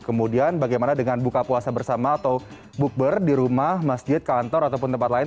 kemudian bagaimana dengan buka puasa bersama atau bukber di rumah masjid kantor ataupun tempat lain